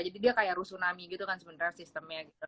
jadi dia kayak ru tsunami gitu kan sebenarnya sistemnya gitu